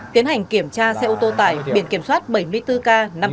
tiến hành kiểm tra xe ô tô tải biển kiểm soát bảy mươi bốn k năm nghìn tám trăm sáu mươi